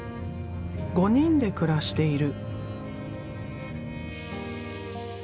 ５人で暮らしている。